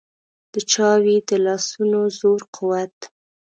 د چا وي د لاسونو زور قوت.